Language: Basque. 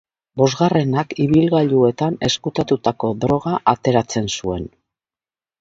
Bosgarrenak ibilgailuetan ezkutatutako droga ateratzen zuen.